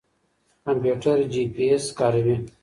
کمپيوټر جيپي اېس کاروي.